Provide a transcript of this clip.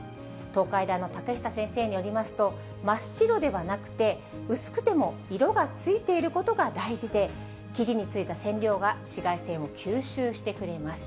東海大の竹下先生によりますと、真っ白ではなくて、薄くても色がついていることが大事で、生地についた染料が紫外線を吸収してくれます。